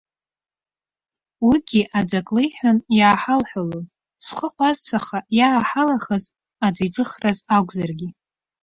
Уигьы аӡәы ак леиҳәан, иааҳалҳәалон, зхы ҟәазцәаха иааҳалахаз аӡәы иҿыхраз акәзаргьы.